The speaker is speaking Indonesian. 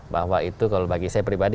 bahwa itu kalau bagi saya pribadi